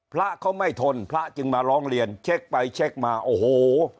พระเขาไม่ทนพระจึงมาร้องเรียนเช็คไปเช็คมาโอ้โห